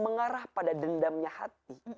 mengarah pada dendamnya hati